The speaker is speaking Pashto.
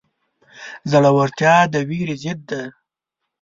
زړورتیا د وېرې ضد ده.